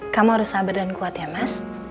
kamu harus sabar dan kuat ya mas